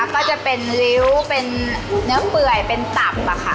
ก็จะเป็นริ้วเป็นเนื้อเปื่อยเป็นตับค่ะ